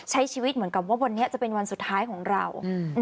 ใช้ชีวิตเหมือนกับว่าวันนี้จะเป็นวันสุดท้ายของเรา